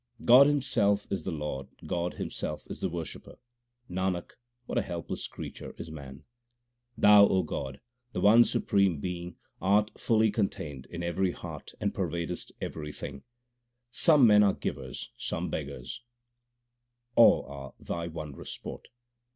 God Himself is the Lord, God Himself is the worshipper ; 2 Nanak, what a helpless creature is man ! Thou, O God, the one Supreme Being, art fully contained in every heart and pervadest everything. Some men are givers, some beggars ; all are Thy wondrous sport.